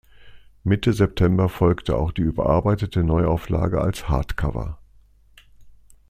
Mitte September folgte auch die überarbeitete Neuauflage als Hardcover.